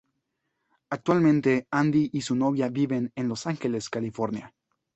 Actualmente, Andy y su novia viven en Los Ángeles, California.